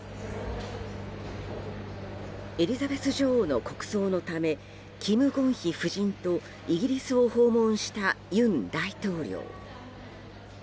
エリザベス女王の国葬のためキム・ゴンヒ夫人とイギリスを訪問した尹大統領。